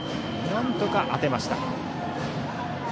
なんとか当てました。